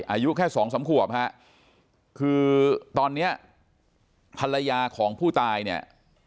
อายุแค่๒๓ขวบค่ะคือตอนนี้ภรรยาของผู้ตายเนี่ย